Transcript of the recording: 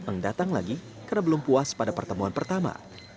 yang datang lagi karena belum puas pada pertemuan pertama